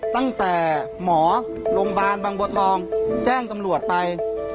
ตั้งแต่หมอโรงพยาบาลบางบัวทองแจ้งตำรวจไป